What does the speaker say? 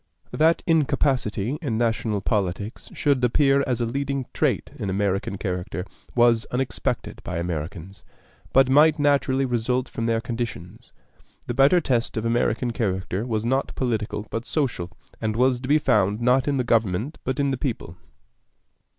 That incapacity in national politics should appear as a leading trait in American character was unexpected by Americans, but might naturally result from their conditions. The better test of American character was not political but social, and was to be found not in the government but in the people.